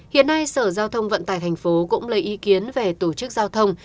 hiện nay sở giao thông vận tải tp hcm cũng lấy ý kiến về tổ chức giao thông